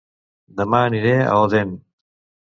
Dema aniré a Odèn